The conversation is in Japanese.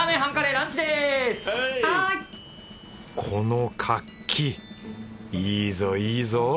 この活気いいぞいいぞ！